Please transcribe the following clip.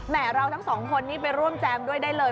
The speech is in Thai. เราทั้งสองคนนี้ไปร่วมแจมด้วยได้เลย